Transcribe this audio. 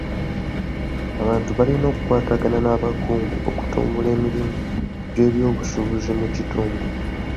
Abantu balina okukwatagana n'abakungu okutumbula emirimu gy'ebyobusuubuzi mu kitundu.